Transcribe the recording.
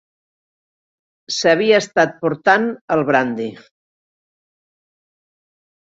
S'havia estat portant el brandi.